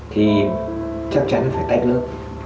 thì chắc chắn là phải tách lớp